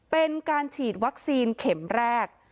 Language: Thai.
เป็นการฉีดวัคซีนเข็มแรก